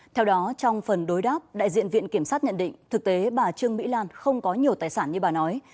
theo đó trong phần đối đáp đại diện viện kiểm sát nhận định thực tế bà trương mỹ lan không có nhiều tài sản như bà nói